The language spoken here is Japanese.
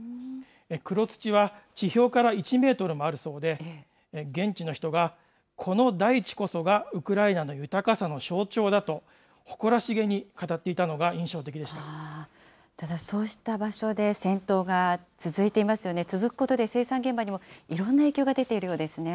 黒土は地表から１メートルもあるそうで、現地の人が、この大地こそがウクライナの豊かさの象徴だと、誇らしげに語っていたのが、ただ、そうした場所で戦闘が続いていますよね。